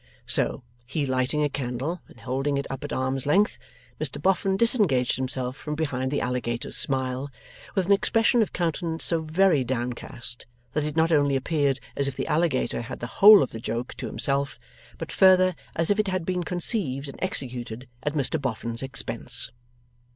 So, he lighting a candle and holding it up at arm's length, Mr Boffin disengaged himself from behind the alligator's smile, with an expression of countenance so very downcast that it not only appeared as if the alligator had the whole of the joke to himself, but further as if it had been conceived and executed at Mr Boffin's expense.